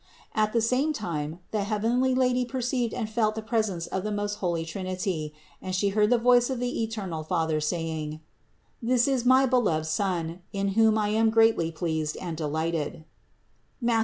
At the same time the heavenly Lady perceived and felt the presence of the most holy Trinity, and She heard the voice of the eternal Father saying : "This is my beloved Son, in whom I am greatly pleased and delighted" (Matth.